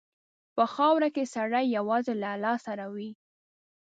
په خاوره کې سړی یوازې له الله سره وي.